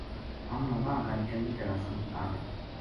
ہم نا واہ گل چنگی طرح سمجھ آ جا